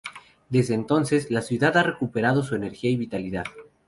Desde entonces la ciudad ha recuperado su energía y vitalidad.